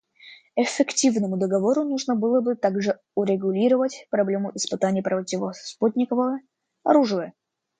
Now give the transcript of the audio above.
Эффективному договору нужно было бы также урегулировать проблему испытаний противоспутникового оружия.